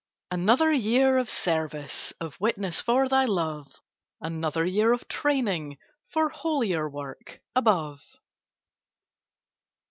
Another year of service, Of witness for Thy love; Another year of training For holier work above.